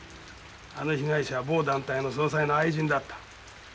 あの被害者は某団体の総裁の愛人だった。